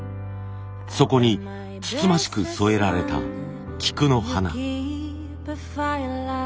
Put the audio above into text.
そこにつつましく添えられた菊の花。